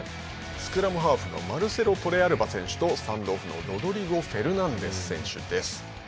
スクラムハーフのマルセロ・トレアレバ選手とスタンドオフのロドリゴ・フェルナンデス選手です。